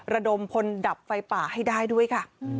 ระดมพลดับไฟป่าให้ได้ด้วยค่ะ